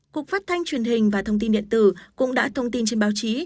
cục phát thanh truyền hình và thông tin điện tử cũng đã thông tin trên báo chí